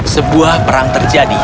sebuah perang terjadi